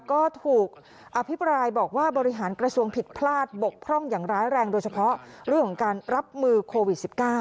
ก็ถูกอภิปรายบอกว่าบริหารกระทรวงผิดพลาดบกพร่องอย่างร้ายแรงโดยเฉพาะเรื่องของการรับมือโควิด๑๙